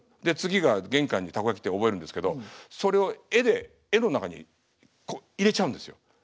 で次が玄関にたこ焼きって覚えるんですけどそれを絵で絵の中にこう入れちゃうんですよ。